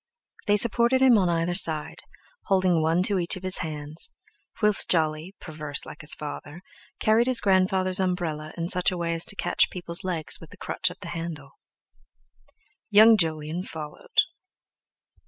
They supported him on either side, holding one to each of his hands,—whilst Jolly, perverse like his father, carried his grandfather's umbrella in such a way as to catch people's legs with the crutch of the handle. Young Jolyon followed.